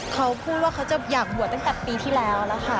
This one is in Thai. เขาพูดว่าเขาจะอยากบวชตั้งแต่ปีที่แล้วแล้วค่ะ